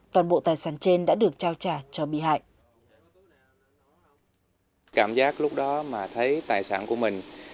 toàn bộ tài sản trên đã được trao trả cho bị hại